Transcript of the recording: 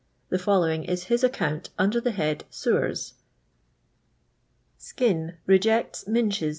The following is his account, under the head *' Sewers"— Skinn. rejects Minsh's.